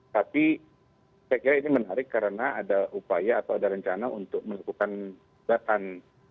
tapi saya kira ini menarik karena ada upaya atau ada rencana untuk melakukan batan